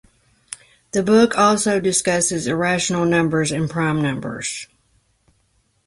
The book also discusses irrational numbers and prime numbers.